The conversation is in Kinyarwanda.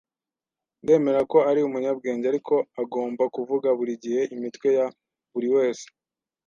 Ndemera ko ari umunyabwenge, ariko agomba kuvuga buri gihe imitwe ya buri wese?